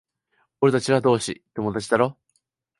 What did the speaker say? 俺たちは同志、友達だろ？